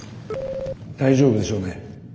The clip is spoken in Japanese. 大丈夫でしょうね？